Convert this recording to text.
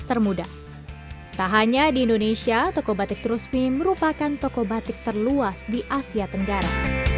tak hanya di indonesia toko batik trusmi merupakan toko batik terluas di asia tenggara